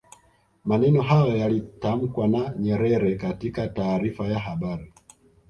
maneno hayo yalitamkwa na nyerere katika taarifa ya habari